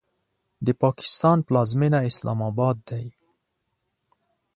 د پاکستان پلازمینه اسلام آباد ده.